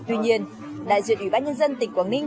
tuy nhiên đại diện ủy ban nhân dân tỉnh quảng ninh